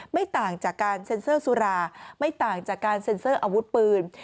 ไม่ต่างจากการเซ็นเซอร์สุราไม่ต่างจากการเซ็นเซอร์อาวุธปืน